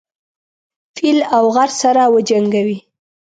فيل او غر سره وجنګوي.